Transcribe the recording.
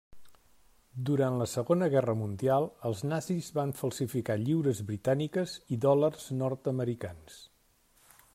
Durant la Segona Guerra Mundial, els nazis van falsificar lliures britàniques i dòlars nord-americans.